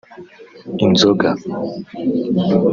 inzoga